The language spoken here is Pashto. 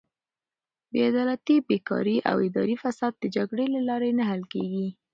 بېعدالتي، بېکاري او اداري فساد د جګړې له لارې نه حل کیږي.